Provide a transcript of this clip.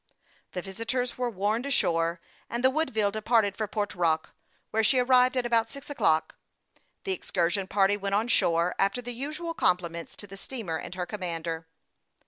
The visitors were warned ashore, and the Wood ville departed for Port Rock, where she arrived at about six o'clock. The excursion party went on shore, after the usual compliments to the steamer and her commander.